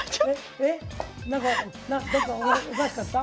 なんかどっかおかしかった？